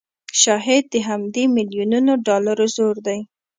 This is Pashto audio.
شايد د همدې مليونونو ډالرو زور وي